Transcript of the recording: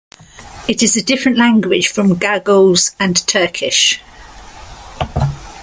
It is a different language from Gagauz and Turkish.